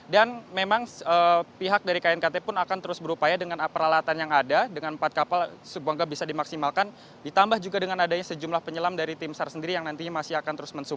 dan memang pihak dari knkt pun akan terus berupaya dengan peralatan yang ada dengan empat kapal supaya bisa dimaksimalkan ditambah juga dengan adanya sejumlah penyelam dari tim sar sendiri yang nantinya masih akan terus mensupport